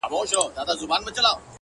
• هره ورځ چي وو طبیب له کوره تللی ,